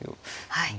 はい。